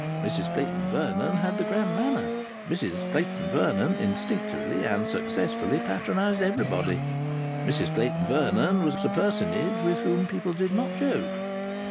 Mrs Clayton Vernon had the grand manner. Mrs Clayton Vernon instinctively and successfully patronized everybody. Mrs Clayton Vernon was a personage with whom people did not joke.